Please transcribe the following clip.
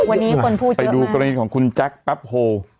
วันนี้คนพูดเยอะมากไปดูกรณีของคุณแจ๊กปั๊บโฮ